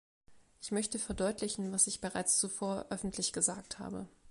Ich möchte verdeutlichen, was ich bereits zuvor öffentlich gesagt habe.